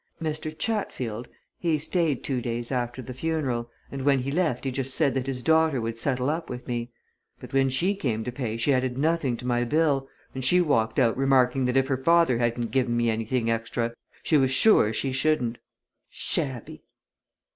Mr. Chatfield, he stayed two days after the funeral, and when he left he just said that his daughter would settle up with me. But when she came to pay she added nothing to my bill, and she walked out remarking that if her father hadn't given me anything extra she was sure she shouldn't. Shabby!"